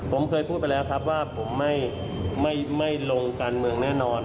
ผมเคยพูดไปแล้วครับว่าผมไม่ลงการเมืองแน่นอน